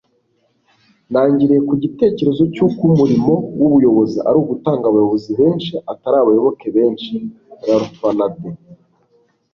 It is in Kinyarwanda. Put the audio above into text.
ntangiriye ku gitekerezo cy'uko umurimo w'ubuyobozi ari ugutanga abayobozi benshi, atari abayoboke benshi. - ralph nader